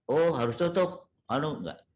oh harus tutup anu enggak